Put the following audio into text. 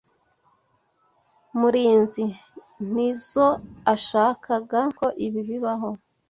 Murinzi ntizoashakaga ko ibi bibaho.